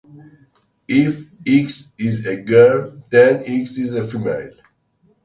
If X is a girl, then X is female.